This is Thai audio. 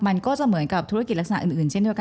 มันก็จะเหมือนกับธุรกิจลักษณะอื่นเช่นเดียวกัน